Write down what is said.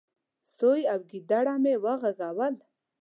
. سوی او ګيدړه مې وغږول،